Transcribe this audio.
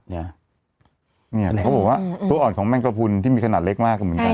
เขาบอกว่าตัวอ่อนของแมงกระพุนที่มีขนาดเล็กมากเหมือนกัน